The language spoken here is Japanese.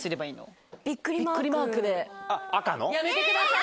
やめてください！